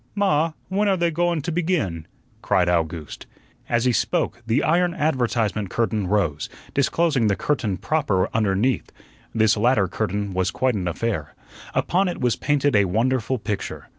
"Ma, when are they go wun to begin?" cried Owgooste. As he spoke the iron advertisement curtain rose, disclosing the curtain proper underneath. This latter curtain was quite an affair. Upon it was painted a wonderful picture.